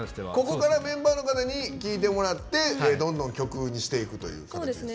ここからメンバーの方に聴いてもらってどんどん曲にしていくという感じですか。